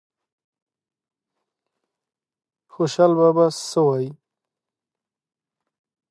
خوشال بابا څه وایي؟